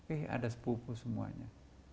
eh ada sepupu semuanya